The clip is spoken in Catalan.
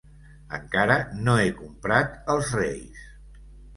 Encara no he comprat els reis.